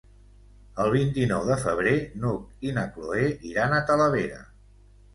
El vint-i-nou de febrer n'Hug i na Cloè iran a Talavera.